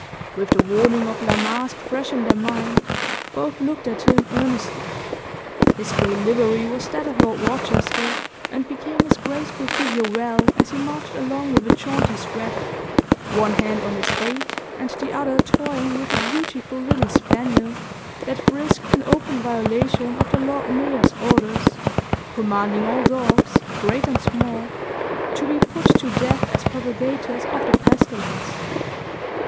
With the warning of La Masque fresh in their mind, both looked at him earnestly. His gay livery was that of Lord Rochester, and became his graceful figure well, as he marched along with a jaunty swagger, one hand on his aide, and the other toying with a beautiful little spaniel, that frisked in open violation of the Lord Mayor's orders, commanding all dogs, great and small, to be put to death as propagators of the pestilence.